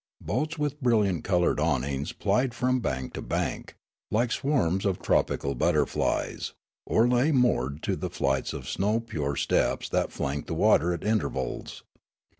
Boats with bril liant coloured awnings plied from bank to bank, like swarms of tropical butterflies, or lay moored to flights of snow pure steps that flanked the water at intervals.